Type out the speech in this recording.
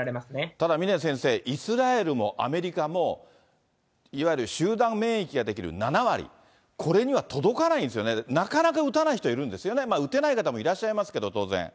ただ峰先生、イスラエルもアメリカも、いわゆる集団免疫が出来る７割、これには届かないんですよね、なかなか打たない人がいるんですよね、まあ打たない方もいらっしゃいますけど、当然。